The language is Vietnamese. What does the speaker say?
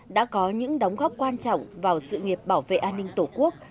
đã có những đóng góp quan trọng vào sự nghiệp bảo vệ an ninh tổ quốc